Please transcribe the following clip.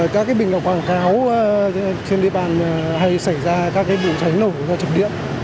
các cái bình quảng cáo trên địa bàn hay xảy ra các cái vụ cháy nổ và chập điện